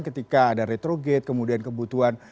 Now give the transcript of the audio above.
ketika ada retrogate kemudian kebutuhan